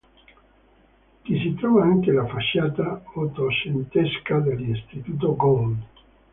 Qui si trova anche la facciata ottocentesca dell'Istituto Gould.